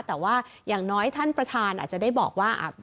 แต่ว่าอย่างน้อยท่านประธานอาจจะได้บอกว่า